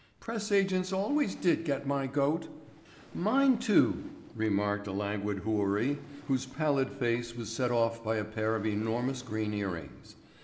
Press agents always did get my goat." "Mine, too," remarked a languid houri whose pallid face was set off by a pair of enormous green earrings.